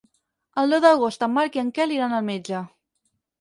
El deu d'agost en Marc i en Quel iran al metge.